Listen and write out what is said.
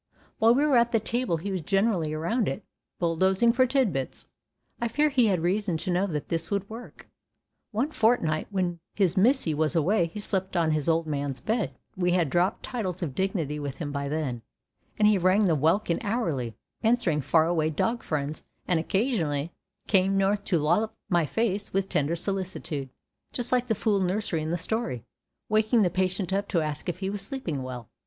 While we were at the table he was generally around it, bulldozing for tid bits—I fear he had reason to know that this would work. One fortnight when his Missie was away he slept on his Old Man's bed (we had dropped titles of dignity with him by then) and he rang the welkin hourly, answering far away dog friends, and occasionally came north to lollop my face with tender solicitude, just like the fool nurse in the story, waking the patient up to ask if he was sleeping well.